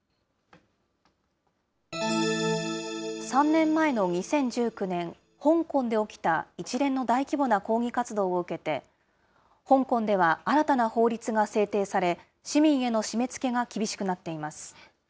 ３年前の２０１９年、香港で起きた一連の大規模な抗議活動を受けて、香港では新たな法律が制定され、市民への締めつけが厳しくなっています。